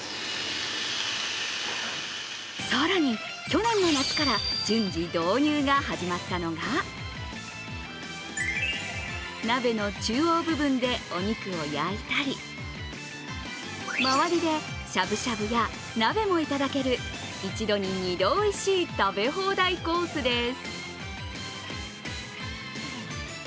更に、去年の夏から順次導入が始まったのが鍋の中央部分でお肉を焼いたり周りでしゃぶしゃぶや鍋もいただける１度に２度おいしい食べ放題コースです。